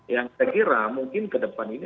yang saya kira mungkin ke depan ini